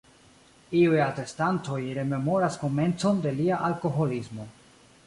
Iuj atestantoj rememoras komencon de lia alkoholismo.